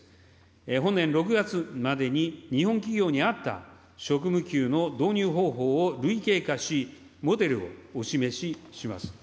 本年６月までに日本企業に合った職務給の導入方法を類型化し、モデルをお示しします。